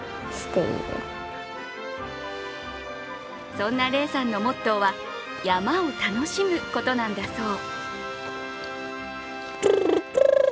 そんな嶺さんのモットーは山を楽しむことなんだそう。